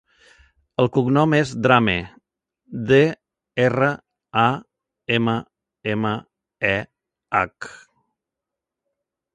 El cognom és Drammeh: de, erra, a, ema, ema, e, hac.